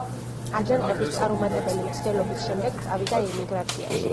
აჯანყების წარუმატებელი მცდელობის შემდეგ წავიდა ემიგრაციაში.